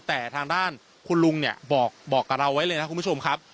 แต่ทางด้านคุณลุงเนี่ยบอกกับเราไว้เลยนะคุณผู้ชมครับ